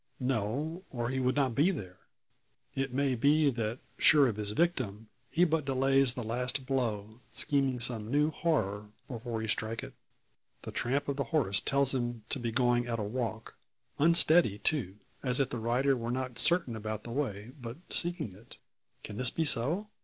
No, or he would not be there. It may be that sure of his victim, he but delays the last blow, scheming some new horror before he strike it? The tramp of the horse tells him to be going at a walk; unsteady too, as if his rider were not certain about the way, but seeking it. Can this be so?